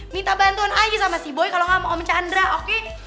minta bantuan aja sama si boy kalau gak mau om chandra oke